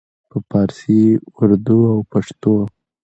په پارسي، اردو او پښتو